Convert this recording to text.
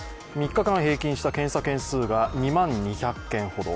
３日間平均した検査件数が２万２００件ほど。